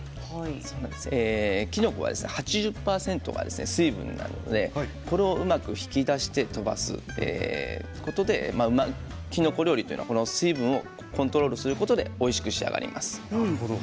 きのこは８０％が水分なのでこれをうまく引き出して飛ばすことできのこ料理っていうのはこの水分をコントロールすることでおいしく仕上がります。